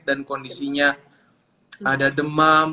dan kondisinya ada demam